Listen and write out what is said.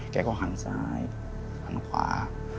แกก็หันซ้ายหันขวา